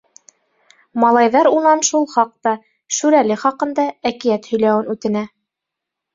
Малайҙар унан шул хаҡта, шүрәле хаҡында, әкиәт һөйләүен үтенә.